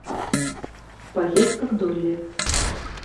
Поездка к Долли.